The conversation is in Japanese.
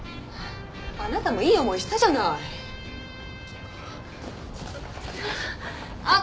あなたもいい思いしたじゃないあっ！